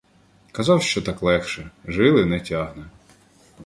Казав, що так легше — жили не тягне.